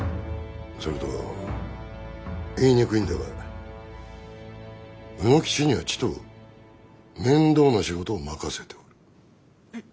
それと言いにくいんだが卯之吉にはちと面倒な仕事を任せておる。